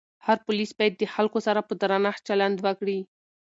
هر پولیس باید د خلکو سره په درنښت چلند وکړي.